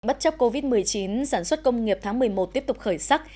bất chấp covid một mươi chín sản xuất công nghiệp tháng một mươi một tiếp tục khởi sắc